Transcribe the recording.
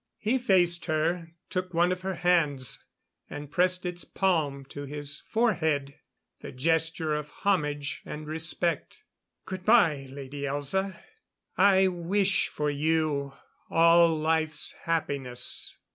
He faced her, took one of her hands and pressed its palm to his forehead, the gesture of homage and respect. "Goodbye, Lady Elza. I wish for you all life's happiness."